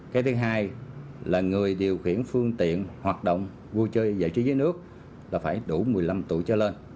cái thứ hai là người điều khiển phương tiện hoạt động vui chơi giải trí dưới nước là phải đủ một mươi năm tuổi trở lên